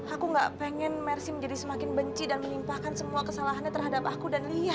aku gak pengen mersi menjadi semakin benci dan menimpakan semua kesalahannya terhadap aku dan lihat